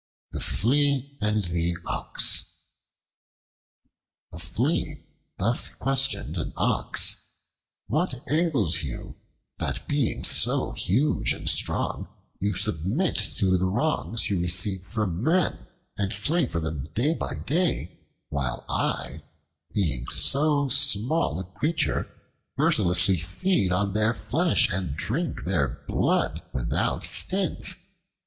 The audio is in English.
The Flea and the Ox A FLEA thus questioned an Ox: "What ails you, that being so huge and strong, you submit to the wrongs you receive from men and slave for them day by day, while I, being so small a creature, mercilessly feed on their flesh and drink their blood without stint?"